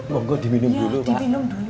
mungkin diminum dulu pak